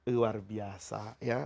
luar biasa ya